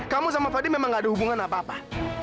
kamu sama fadil memang nggak ada hubungan apa apa